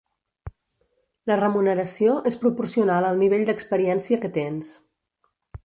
La remuneració és proporcional al nivell d"experiència que tens.